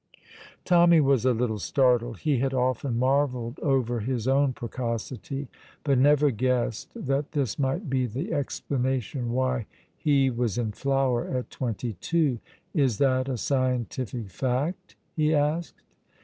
Tommy was a little startled. He had often marvelled over his own precocity, but never guessed that this might be the explanation why he was in flower at twenty two. "Is that a scientific fact?" he asked.